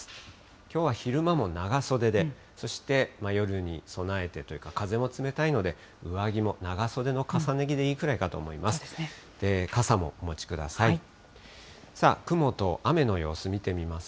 きょうは昼間も長袖で、そして夜に備えてというか、風も冷たいので、上着も長袖の重ね着でいいくらいかと思います。